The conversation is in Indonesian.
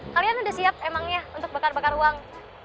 kalian udah siap emangnya untuk bakar bakar uang